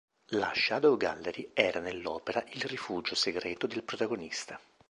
La Shadow Gallery era nell'opera il rifugio segreto del protagonista.